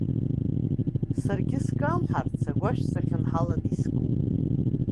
Саргьы скамҳарц, агәашә сахьынҳаланы искуп.